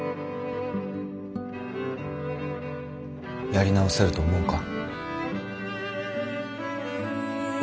やり直せると思うか？